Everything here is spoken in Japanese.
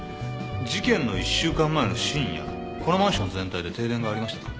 事件の１週間前の深夜このマンション全体で停電がありましたか？